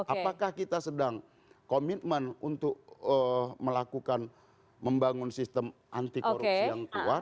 apakah kita sedang komitmen untuk melakukan membangun sistem anti korupsi yang kuat